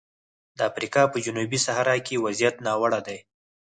د افریقا په جنوبي صحرا کې وضعیت ناوړه دی.